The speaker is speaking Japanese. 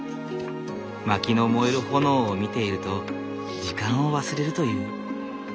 薪の燃える炎を見ていると時間を忘れるという。